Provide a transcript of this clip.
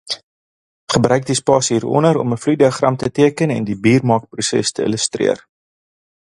Gebruik die spasie hieronder om 'n vloeidiagram te teken en die biermaakproses te illustreer.